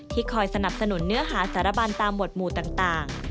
คอยสนับสนุนเนื้อหาสารบันตามบทหมู่ต่าง